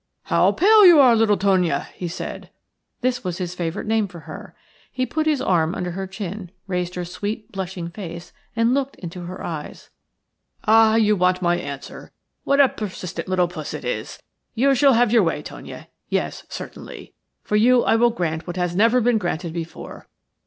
"How pale you are, little Tonia!" he said. This was his favourite name for her. He put his hand under her chin, raised her sweet, blushing face, and looked into her eyes. "Ah, you want my answer. What a persistent little puss it is! You shall have your way, Tonia – yes, certainly. For you I will grant what has never been granted before.